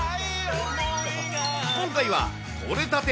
今回は、取れたて！